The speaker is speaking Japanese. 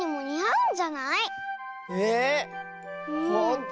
うん！